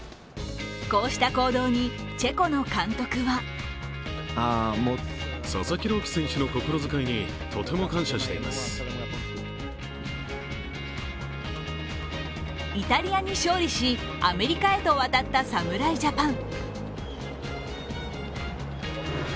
こうした行動にチェコの監督はイタリアに勝利しアメリカへと渡った侍ジャパン。